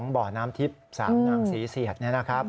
๓๒บ่อน้ำทิพย์สามนางสีเสียดเนี่ยนะครับ